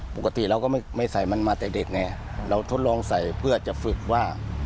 ปกติเราก็ไม่ใส่มันมาแต่เด็กไงเราทดลองใส่เพื่อจะฝึกว่า